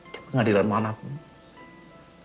di pengadilan manapun